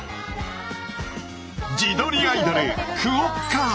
自撮りアイドルクオッカ。